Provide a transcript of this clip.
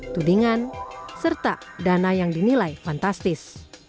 tudingan serta dana yang dinilai fantastis